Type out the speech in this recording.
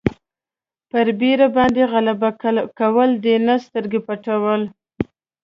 پر بېرې باندې غلبه کول دي نه سترګې پټول.